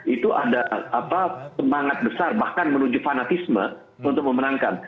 itu ada semangat besar bahkan menuju fanatisme untuk memenangkan